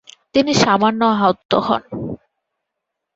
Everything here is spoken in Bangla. তিনি সামান্য আহত হন।